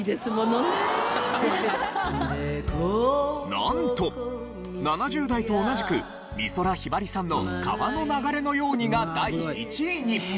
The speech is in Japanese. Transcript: なんと７０代と同じく美空ひばりさんの『川の流れのように』が第１位に。